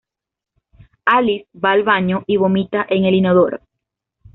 Alice va al baño y vomita en el inodoro.